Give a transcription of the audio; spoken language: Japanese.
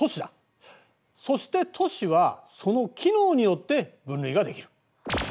そして都市はその機能によって分類ができる。